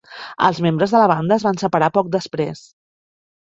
Els membres de la banda es van separar poc després.